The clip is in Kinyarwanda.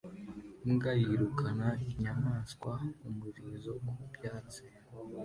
Imbwa yirukana inyamaswa umurizo ku byatsi